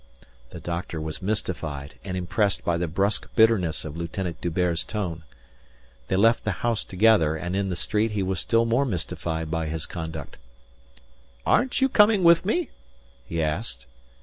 The doctor was mystified and impressed by the brusque bitterness of Lieutenant D'Hubert's tone. They left the house together, and in the street he was still more mystified by his conduct. "Aren't you coming with me?" he asked.